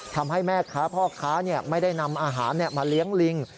ทำให้แม่ค้าพ่อค้าไม่ได้นำอาหารมาเลี้ยงลิง